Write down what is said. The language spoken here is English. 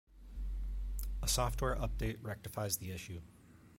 A software update rectifies the issue.